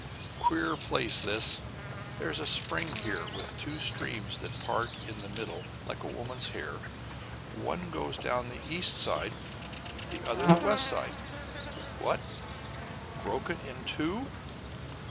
Queer place, this! There's a spring here with two streams that part in the middle like a woman's hair; one goes down the east side, the other down the west side. What? Broken in two?